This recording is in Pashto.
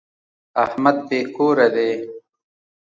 احمد بې کوره دی.